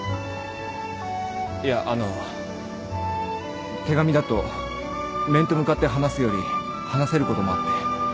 いやあの手紙だと面と向かって話すより話せることもあって。